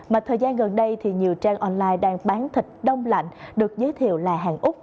mà thời gian gần đây thì nhiều trang online đang bán thịt đông lạnh được giới thiệu là hàng úc